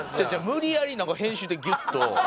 無理やりなんか編集でギュッと。